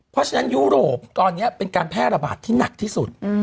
เพราะฉะนั้นยุโรปตอนนี้เป็นการแพร่ระบาดที่หนักที่สุด